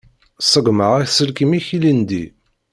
Ṣeggmeɣ aselkim-ik ilindi.